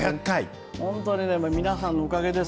本当に皆さんのおかげです。